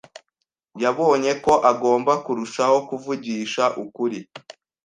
Yabonye ko agomba kurushaho kuvugisha ukuri.